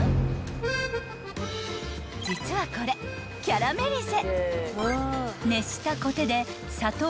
［実はこれキャラメリゼ］